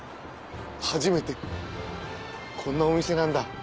初めてこんなお店なんだ。